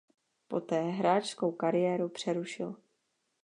Poté hráčskou kariéru přerušil.